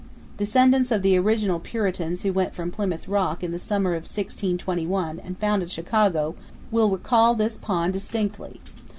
Descendants of the original Puritans who went from Plymouth Rock, in the summer of 1621, and founded Chicago, will recall this pond distinctly.